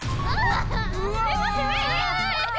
・うわ！